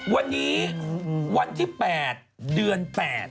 วันนี้๘เดือน๘